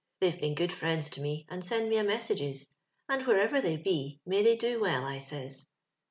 They've been good friends to me, and send me a messages ; and wherever they be, may they do well, I says.